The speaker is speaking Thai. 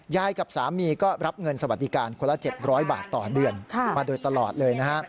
กับสามีก็รับเงินสวัสดิการคนละ๗๐๐บาทต่อเดือนมาโดยตลอดเลยนะฮะ